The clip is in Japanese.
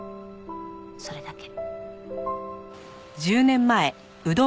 それだけ。